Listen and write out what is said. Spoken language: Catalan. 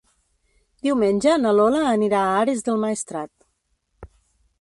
Diumenge na Lola anirà a Ares del Maestrat.